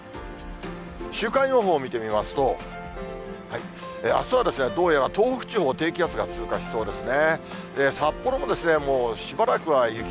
週間予報、見てみますと、あすはどうやら東北地方、低気圧が通過しそうですね。